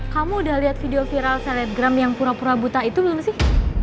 kamu udah lihat video viral selebgram yang pura pura buta itu belum sih